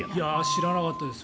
知らなかったです